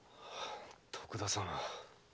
徳田様。